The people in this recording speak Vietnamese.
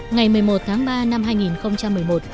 ngày một mươi một tháng ba năm hai nghìn một mươi một